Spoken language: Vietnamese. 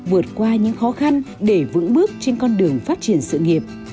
vượt qua những khó khăn để vững bước trên con đường phát triển sự nghiệp